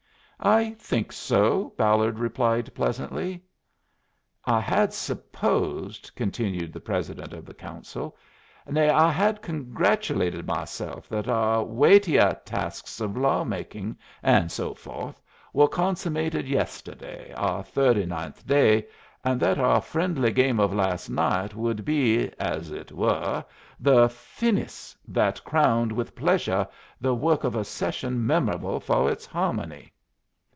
"I think so," Ballard replied, pleasantly. "I had supposed," continued the President of the Council "nay, I had congratulated myself that our weightiuh tasks of law making and so fo'th were consummated yesterday, our thirty ninth day, and that our friendly game of last night would be, as it were, the finis that crowned with pleashuh the work of a session memorable for its harmony."